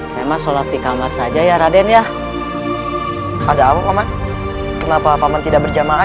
saya mah sholat di kamar saja ya raden ya ada apa kenapa paman tidak berjamaah